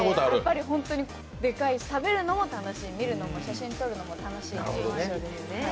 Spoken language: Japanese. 本当にでかいし食べるのも楽しい、見るのも写真撮るのも楽しい場所です。